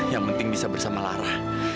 yang penting bisa bersama lara